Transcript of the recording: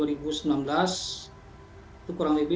dua ribu sembilan belas itu kurang lebih